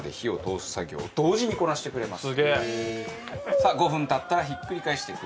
さあ５分経ったらひっくり返してください。